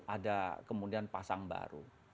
ada kemudian pasang baru